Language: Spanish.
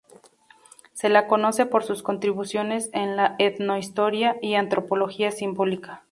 Se la conoce por sus contribuciones a la etnohistoria y antropología simbólica.